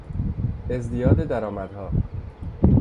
ازدیاد درآمدها